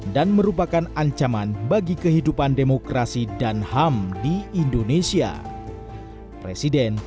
dan merupakan ancaman bagi kehidupan demokrasi dan ham di indonesia presiden